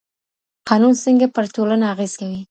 قانون څنګه پر ټولنه اغیز کوي؟